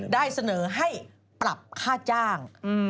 ได้เสนอให้ปรับค่าจ้าง